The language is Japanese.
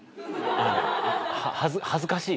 恥ず恥ずかしい。